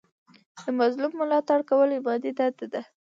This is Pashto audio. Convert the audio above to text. د مظلوم ملاتړ کول ایماني دنده ده.